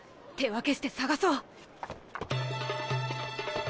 手分けして探そう！